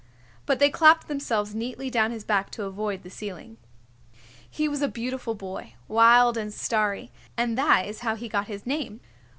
But they clapped themselves neatly down his back to avoid the ceiling. He was a beautiful boy, wild and starry, and that is how he got his name.